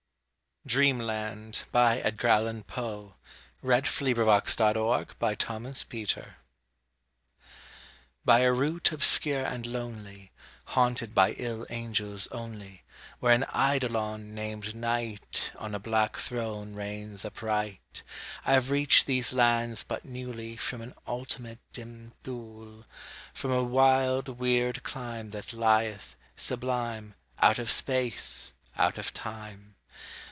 as a garment, Clothing us in a robe of more than glory." DREAMLAND By a route obscure and lonely, Haunted by ill angels only, Where an Eidolon, named NIGHT, On a black throne reigns upright, I have reached these lands but newly From an ultimate dim Thule From a wild weird clime that lieth, sublime, Out of SPACE out of TIME.